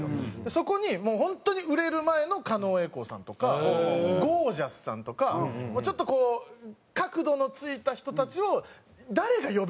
そこに本当に売れる前の狩野英孝さんとかゴー☆ジャスさんとかちょっとこう角度のついた人たちを誰が呼べるかみたいな。